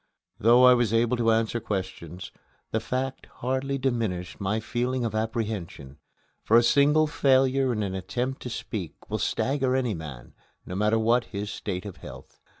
Though I was able to answer questions, that fact hardly diminished my feeling of apprehension, for a single failure in an attempt to speak will stagger any man, no matter what his state of health.